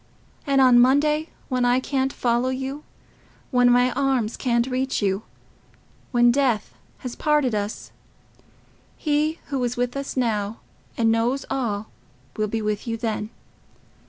And on Monday, when I can't follow you—when my arms can't reach you—when death has parted us—He who is with us now, and knows all, will be with you then.